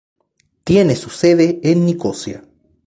Tiene su sede en Nicosia.